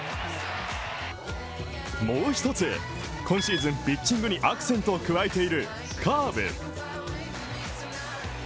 もうひとつ、今シーズンピッチングにアクセントを加えているカーブ。